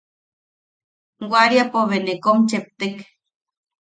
Wariapo bea ne kom cheptek.